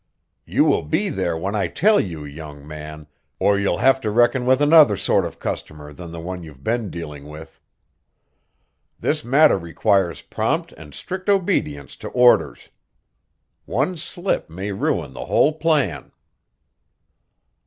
"You will be there when I tell you, young man, or you'll have to reckon with another sort of customer than the one you've been dealing with. This matter requires prompt and strict obedience to orders. One slip may ruin the whole plan."